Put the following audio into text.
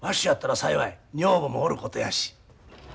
やったら幸い女房もおることやし。